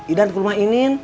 idan ke rumah inin